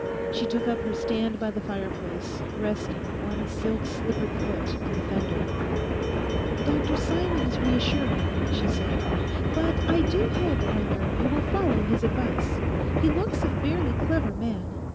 She took up her stand by the fireplace, resting one silk slippered foot on the fender. 'Dr Simon is reassuring,' she said, 'but I do hope, Arthur, you will follow his advice. He looks a fairly clever man....